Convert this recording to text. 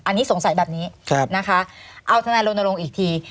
อันนี้สงสัยแบบนี้เอาทนายลงอีกที